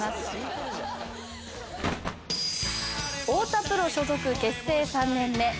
太田プロ所属結成３年目。